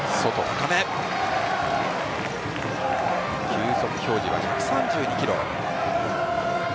球速表示は１３２キロ。